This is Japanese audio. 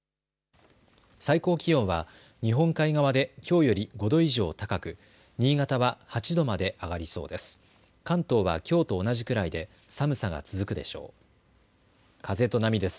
最高気温は日本海側できょうより５度以上高く、新潟は８度まで上がりそうです。